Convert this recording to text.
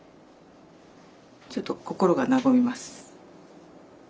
ちょっと心が和みます。